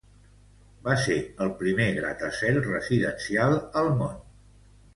Va ser el primer gratacel residencial al món.